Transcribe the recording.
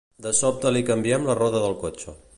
De sobte li canviem la roda del cotxe.